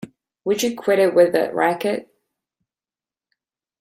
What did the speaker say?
Would you quit it with that racket!